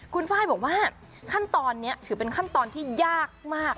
คุณไฟล์บอกว่าขั้นตอนนี้ถือเป็นขั้นตอนที่ยากมาก